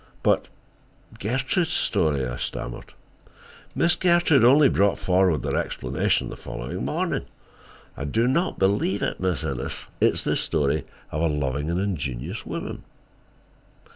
"But—Gertrude's story," I stammered. "Miss Gertrude only brought forward her explanation the following morning. I do not believe it, Miss Innes. It is the story of a loving and ingenious woman."